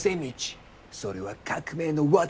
それは革命の轍。